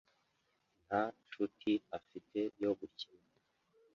Nta nshuti afite yo gukina.